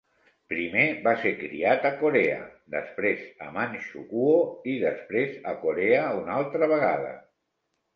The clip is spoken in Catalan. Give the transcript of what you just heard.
Primer va ser criat a Corea, després a Manxukuo i després a Corea una altra vegada.